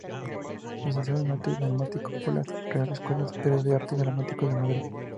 Licenciado en Arte Dramático por la Real Escuela Superior de Arte Dramático de Madrid.